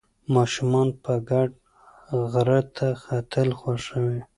ماشومان په ګډه غره ته ختل خوښوي.